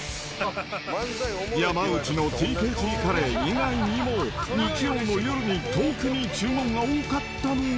山内のＴＫＧカレー以外にも、日曜の夜に特に注文が多かったのが。